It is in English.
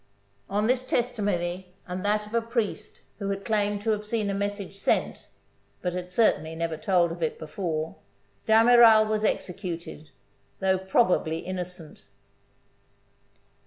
On this testimony and that of a priest who claimed to have seen a message sent (but had certainly never told of it before) , D'Ami ral was executed, though probably innocent.